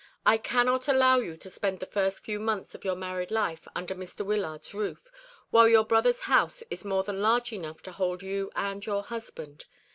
I cannot allow you to spend the first few months of your married life under Mr. Wyllard's roof, while your brother's house is more than large enough to hold you and your husband.